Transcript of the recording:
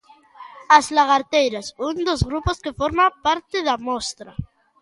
As Lagharteiras, un dos grupos que forma parte da Mostra.